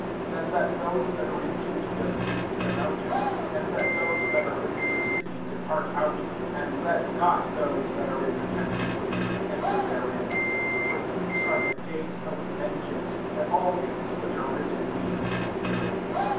£1 Then let those that are in Judea flee to the mountains; and let those that are within rA^aVy depart out; and let not those that are in the country places enter therein. ££ For these are the days of vengeance ; that all things which are written may be fulfilled.